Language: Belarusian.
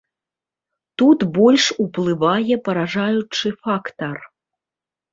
Тут больш уплывае паражаючы фактар.